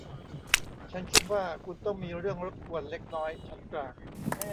ฉันคิดว่าคุณต้องมีเรื่องรบกวนเล็กน้อย ฉันกล่าว